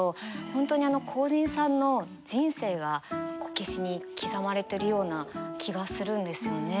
本当にあの工人さんの人生がこけしに刻まれてるような気がするんですよね。